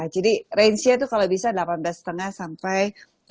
jadi rangsia itu kalau bisa delapan belas lima sampai dua puluh dua lima